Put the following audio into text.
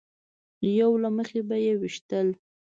یو له مخې به یې ویشتل.